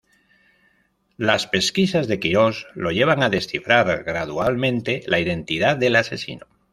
Las pesquisas de Quirós lo llevan a descifrar gradualmente la identidad del asesino.